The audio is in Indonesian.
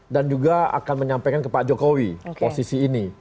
dan juga akan menyampaikan ke pak jokowi posisi ini